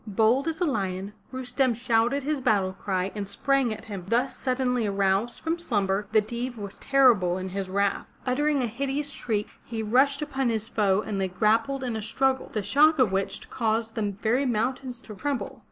Bold as a lion, Rustem shouted his battle cry and sprang at him. Thus suddenly aroused from slumber, the Deev was terrible in his wrath. Uttering a hideous shriek, he rushed upon his foe and they grappled in a struggle, the shock of which caused the very mountains to tremble.